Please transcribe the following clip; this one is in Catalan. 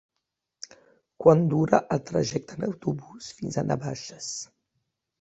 Quant dura el trajecte en autobús fins a Navaixes?